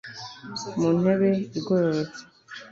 mu ntebe igororotse